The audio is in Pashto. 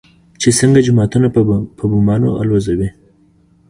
چې څنگه جوماتونه په بمانو الوزوي.